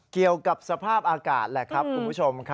เกี่ยวกับสภาพอากาศแหละครับคุณผู้ชม